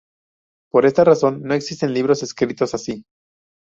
Por esta razón no existen libros escritos así.